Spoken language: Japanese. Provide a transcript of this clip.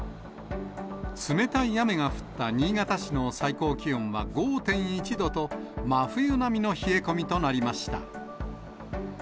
冷たい雨が降った新潟市の最高気温は５．１度と、真冬並みの冷え込みとなりました。